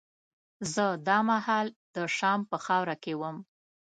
زه دا مهال د شام په خاوره کې وم.